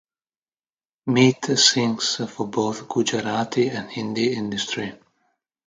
Meet sings for both Gujarati and Hindi industry.